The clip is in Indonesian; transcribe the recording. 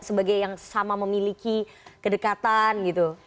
sebagai yang sama memiliki kedekatan gitu